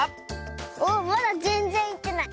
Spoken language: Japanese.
おっまだぜんぜんいってない。